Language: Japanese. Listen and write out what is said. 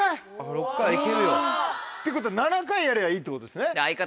６はいけるよ。ってことは７回やりゃいいってことですね。